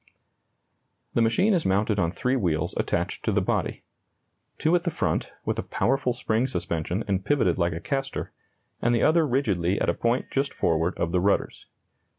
] The machine is mounted on three wheels attached to the body: two at the front, with a powerful spring suspension and pivoted like a caster, and the other rigidly at a point just forward of the rudders.